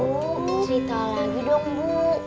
cerita lagi dong bu